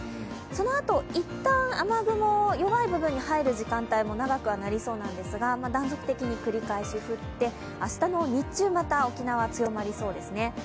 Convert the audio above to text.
そのあといったん雨雲が弱い部分に入る時間も長くはなりそうなんですが、断続的に繰り返し降って、明日の日中、また沖縄は強まりそうですね。